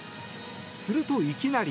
すると、いきなり。